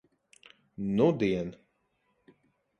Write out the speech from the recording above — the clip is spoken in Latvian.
Nudien.